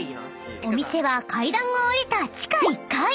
［お店は階段を下りた地下１階。